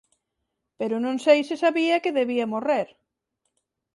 Pero non sei se sabía que debía morrer…